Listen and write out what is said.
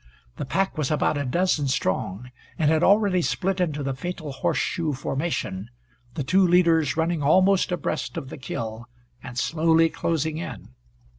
The pack was about a dozen strong, and had already split into the fatal horseshoe formation, the two leaders running almost abreast of the kill, and slowly closing in.